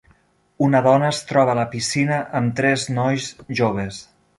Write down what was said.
Una dona es troba a la piscina amb tres nois joves.